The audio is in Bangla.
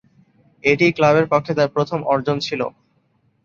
এটিই ক্লাবের পক্ষে তার প্রথম অর্জন ছিল।